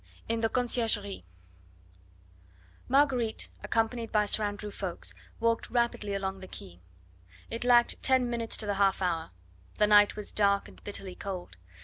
IN THE CONCIERGERIE Marguerite, accompanied by Sir Andrew Ffoulkes, walked rapidly along the quay. It lacked ten minutes to the half hour; the night was dark and bitterly cold.